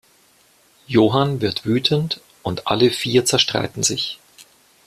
Johann wird wütend, und alle vier zerstreiten sich.